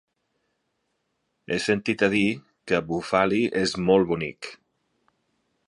He sentit a dir que Bufali és molt bonic.